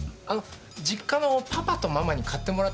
実家のパパとママに買ってもらったか？